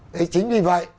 thế chính vì vậy